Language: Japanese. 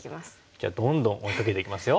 じゃあどんどん追いかけていきますよ。